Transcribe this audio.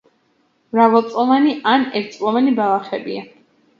მრავალწლოვანი ან ერთწლოვანი ბალახებია.